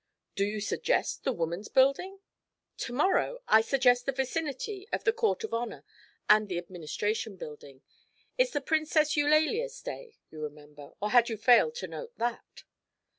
'Do you suggest the Woman's Building?' 'To morrow I suggest the vicinity of the Court of Honour and the Administration Building. It's the Princess Eulalia's day, you remember; or had you failed to note that?'